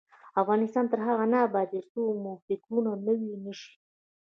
افغانستان تر هغو نه ابادیږي، ترڅو مو فکرونه نوي نشي.